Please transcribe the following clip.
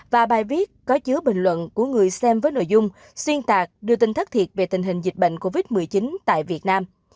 và bài viết có chứa bình luận của người xem với nội dung xuyên tạc đưa tin thất thiệt về tình hình dịch bệnh covid một mươi chín tại việt nam